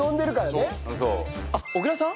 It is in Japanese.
あっ小倉さん？